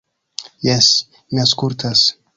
"Jes, mi aŭskultas."